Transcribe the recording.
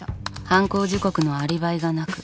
犯行時刻のアリバイがなく。